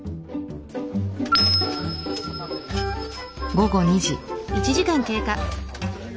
午後２時。